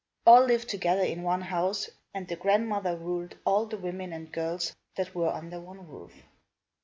All lived together in one house, and the grandmother ruled all the women and girls that were under one roof.